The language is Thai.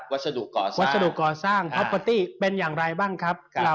วัสดุก่อสร้างพลับประติเป็นอย่างไรบ้างครับ